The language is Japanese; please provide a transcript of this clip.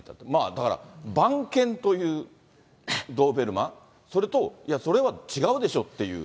だから、番犬というドーベルマン、それと、いや、それは違うでしょっていう。